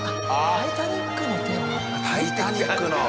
『タイタニック』のテーマ。